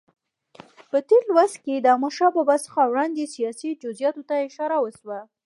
په تېر لوست کې د احمدشاه بابا څخه وړاندې سیاسي جزئیاتو ته اشاره وشوه.